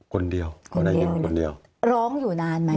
คนเดียวคนเดียว